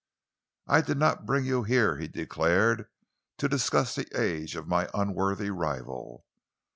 "I did not bring you here," he declared, "to discuss the age of my unworthy rival.